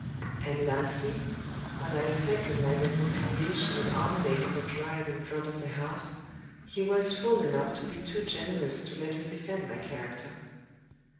And lastly, when I affected my reconciliation with Armadale on the drive in front of the house, he was fool enough to be too generous to let me defend my character.